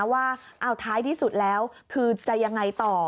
ว่าเอาท้ายที่สุดแล้วคือจะยังไงต่อ